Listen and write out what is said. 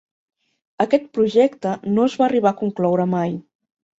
Aquest projecte no es va arribar a concloure mai.